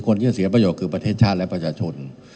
คนที่จะเสียประโยชน์คือประเทศชาติและประชาชน